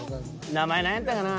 名前何やったかな？